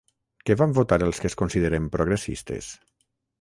Què van votar els que es consideren progressistes?